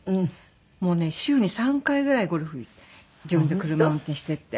もうね週に３回ぐらいゴルフ自分で車運転していって。